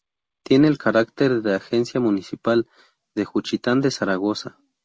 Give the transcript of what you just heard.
Tiene el carácter de agencia municipal de Juchitán de Zaragoza.